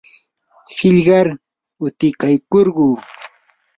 qillqar utikaykurquu.